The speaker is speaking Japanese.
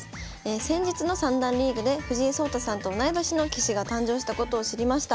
「先日の三段リーグで藤井聡太さんと同い年の棋士が誕生したことを知りました。